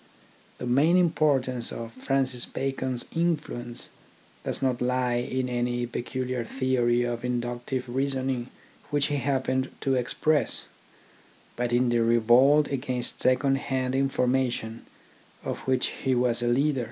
The main importance of Francis Bacon's influence does not lie in any peculiar theory of inductive reasoning which he happened to ex press, but in the revolt against second hand information of which he was a leader.